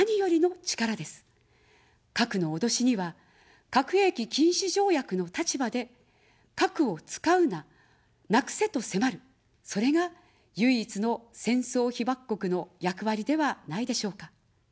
核の脅しには、核兵器禁止条約の立場で、核を使うな、なくせと迫る、それが唯一の戦争被爆国の役割ではないでしょうか。